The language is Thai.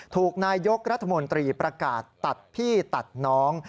ถูกนายยกรัฐมนตรีประกาศตัดพี่ตัดน้อง